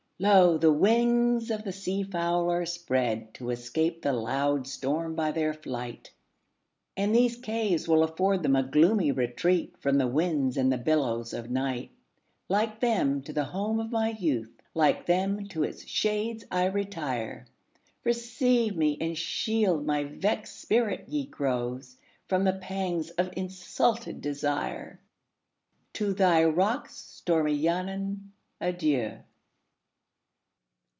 Lo! the wings of the sea fowl are spreadTo escape the loud storm by their flight; And these caves will afford them a gloomy retreatFrom the winds and the billows of night; Like them, to the home of my youth, Like them, to its shades I retire; Receive me, and shield my vexed spirit, ye groves, From the pangs of insulted desire! To thy rocks, stormy Llannon, adieu!